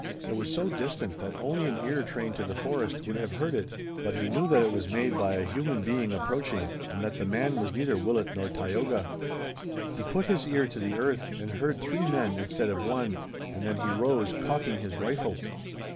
It was so distant that only an ear trained to the forest would have heard it, but he knew that it was made by a human being approaching, and that the man was neither Willet nor Tayoga. He put his ear to the earth and heard three men instead of one, and then he rose, cocking his rifle.